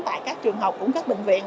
tại các trường học cũng các bệnh viện